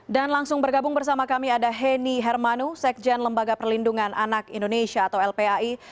dan langsung bergabung bersama kami ada heni hermanu sekjen lembaga perlindungan anak indonesia atau lpai